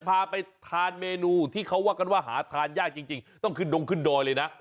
พาไปทานเมนูที่เขาว่ากันว่าหาทานยากจริงต้องขึ้นดงขึ้นดอยเลยนะ